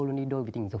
luôn đi đôi với tình dục